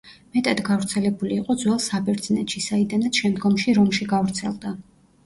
მეტად გავრცელებული იყო ძველ საბერძნეთში, საიდანაც შემდგომში რომში გავრცელდა.